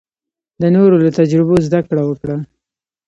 د نورو له تجربو زده کړه وکړه.